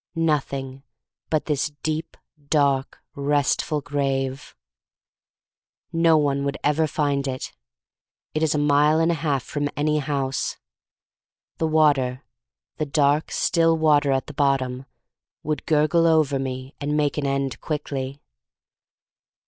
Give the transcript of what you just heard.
Nothing but this deep dark restful grave." No one would ever find it. It is a mile and a half from any house. The water — the dark still water 'at the bottom — would gurgle over me and make an end quickly.